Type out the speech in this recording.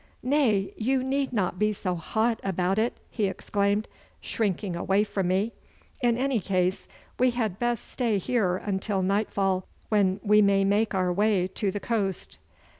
'Nay, you need not be so hot about it,' he exclaimed, shrinking away from me. 'In any case, we had best stay here until nightfall, when we may make our way to the coast.